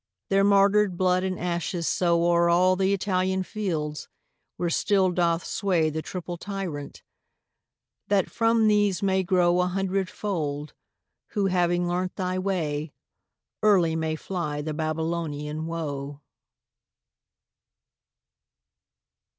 Their martyred blood and ashes sowO'er all the Italian fields, where still doth swayThe triple Tyrant; that from these may growA hundredfold, who, having learnt thy way, Early may fly the Babylonian woe.